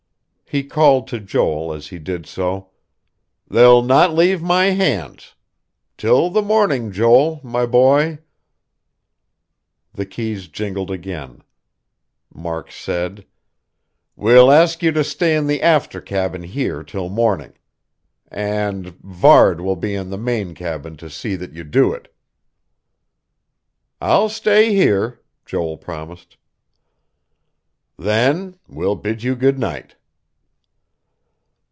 He called to Joel as he did so: "They'll not leave my hands. Till the morning, Joel, my boy...." The keys jingled again. Mark said: "We'll ask you to stay in the after cabin here till morning. And Varde will be in the main cabin to see that you do it." "I'll stay here," Joel promised. "Then we'll bid you good night!"